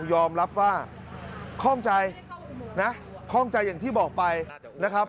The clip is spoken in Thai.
ยอมรับว่าข้องใจนะข้องใจอย่างที่บอกไปนะครับ